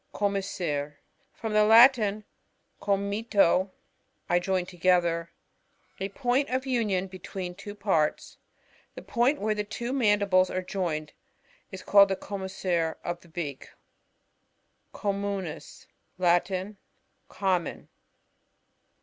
Commissure. — From the Latin, com' mitto, I join together. A point of union l>etween two patts. The point where the two mandibles are joined is called the commis sure of the beak. Communis. — Latin. Common.